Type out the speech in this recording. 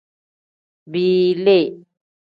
Biili.